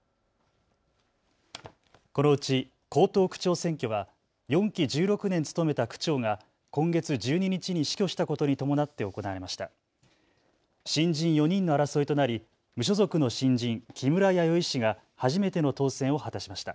このうち江東区長選挙は４期１６年務めた区長が今月１２日に死去したことに伴って行われました。